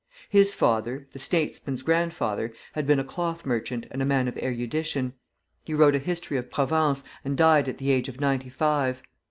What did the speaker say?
His father (the statesman's grandfather) had been a cloth merchant and a man of erudition. He wrote a History of Provence, and died at the age of ninety five.